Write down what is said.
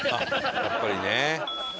やっぱりね。